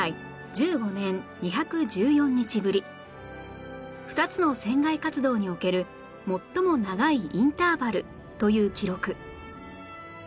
１５年２１４日ぶり２つの船外活動における最も長いインターバルという記録